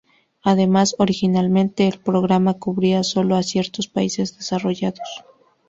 Además, originalmente el programa cubría sólo a ciertos países desarrollados.